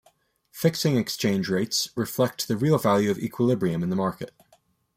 Fixing exchange rates reflect the real value of equilibrium in the market.